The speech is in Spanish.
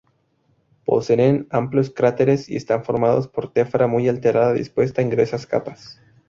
Poseen amplios cráteres y están formados por tefra muy alterada dispuesta en gruesas capas.